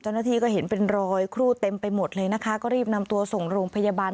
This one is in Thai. เจ้าหน้าที่ก็เห็นเป็นรอยครูดเต็มไปหมดเลยนะคะก็รีบนำตัวส่งโรงพยาบาล